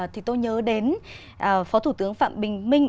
thì tôi nhớ đến phó thủ tướng phạm bình minh